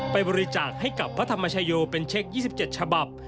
ไปบริจาคให้กับพระธรรมชโยเป็นเช็ค๒๗ฉบับ